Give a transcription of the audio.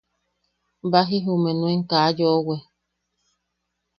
Baji jumeʼe nuen kaa yoʼowe.